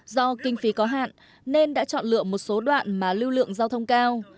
do kinh phí có hạn nên đã chọn lựa một số đoạn mà lưu lượng giao thông cao